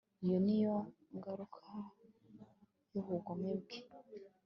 iyo ni yo ngaruka y'ubugome bwe